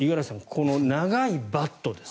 この長いバットです